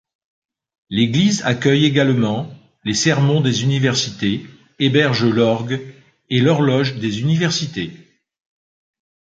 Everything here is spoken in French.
L’église accueille également les Sermons des Universités, héberge l’Orgue et l’Horloge des Universités.